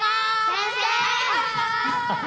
先生！